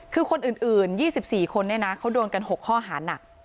คือคนอื่น๒๔คนเนี่ยนะเขาโดนกัน๖ข้อหานัก